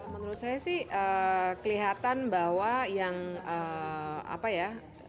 menurut saya sih kelihatan bahwa yang apa ya